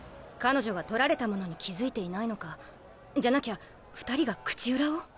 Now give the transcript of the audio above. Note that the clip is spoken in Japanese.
彼女が取られたものに気付いていないのかじゃなきゃ２人が口裏を？